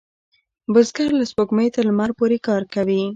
بزګر له سپوږمۍ تر لمر پورې کار کوي